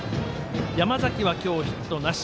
山崎は今日ヒットなし。